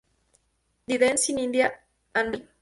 The Dance in India and Bali".